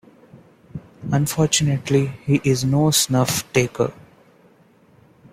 Unfortunately he is no snuff-taker.